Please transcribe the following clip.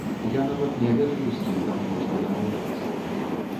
Я нават не ведаю,з кім там можна дамаўляцца.